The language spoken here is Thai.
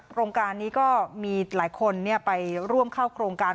โครงการนี้ก็มีหลายคนไปร่วมเข้าโครงการ